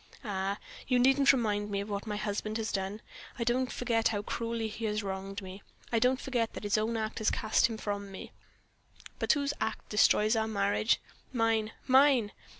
Ah, you needn't remind me of what my husband has done. I don't forget how cruelly he has wronged me; I don't forget that his own act has cast me from him. But whose act destroys our marriage? Mine, mine!